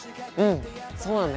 そうなんだよね。